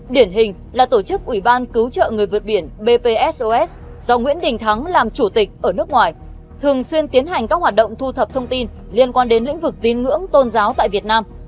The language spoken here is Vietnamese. điển hình là tổ chức ủy ban cứu trợ người vượt biển bpsos do nguyễn đình thắng làm chủ tịch ở nước ngoài thường xuyên tiến hành các hoạt động thu thập thông tin liên quan đến lĩnh vực tin ngưỡng tôn giáo tại việt nam